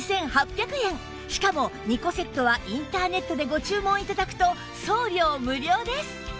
しかも２個セットはインターネットでご注文頂くと送料無料です